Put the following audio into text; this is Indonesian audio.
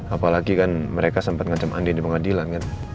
apalagi kan mereka sempat ngacam andin di pengadilan kan